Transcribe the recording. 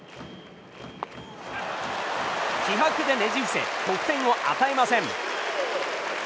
気迫でねじ伏せ得点を与えません。